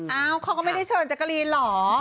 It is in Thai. เอ้าเขาก็ไม่ได้เฉินจักรีนเหรอ